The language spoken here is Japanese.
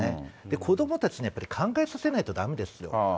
子どもたちね、やっぱり考えさせないとだめですよ。